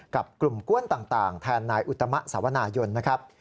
กับกลุ่มก้วนต่างแทนนายอุตมะสวนายนนะครับ